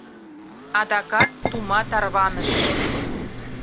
Адакат тума тарваныш